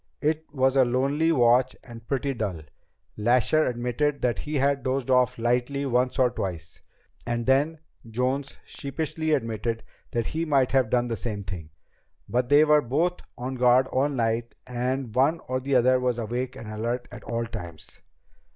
It was a lonely watch and pretty dull. Lasher admitted that he had dozed off lightly once or twice. And then Jones sheepishly admitted that he might have done the same thing. But they were both on guard all night, and one or the other was awake and alert at all times."